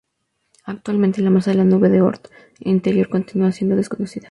Actualmente la masa de la nube de Oort interior continúa siendo desconocida.